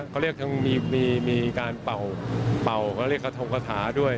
เขาเรียกทั้งมีการเป่าเขาเรียกกระทงกระถาด้วย